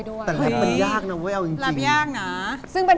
ก็ได้เนี่ย